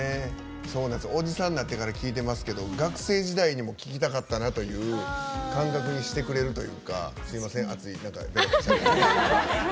おじさんなってから聴いてますと学生時代にも聴きたかったなという感覚にしてくれるというかすいません、アツい。